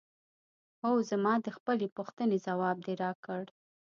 هو زما د خپلې پوښتنې ځواب دې راکړ؟